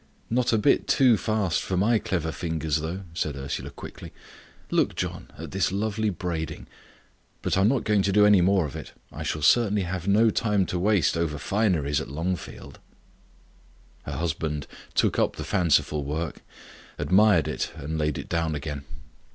"Not a bit too fast for my clever fingers, though," said Ursula, quickly. "Look, John, at this lovely braiding. But I'm not going to do any more of it. I shall certainly have no time to waste over fineries at Longfield." Her husband took up the fanciful work, admired it, and laid it down again.